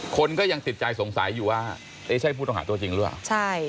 คนก็ยังติดใจสงสัยอยู่ว่าเอ๊ะใช่ผู้ต้องหาตัวจริงหรือเปล่าใช่